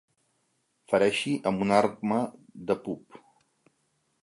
Fereixi amb una arma de pub.